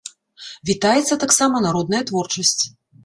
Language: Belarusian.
Вітаецца таксама народная творчасць.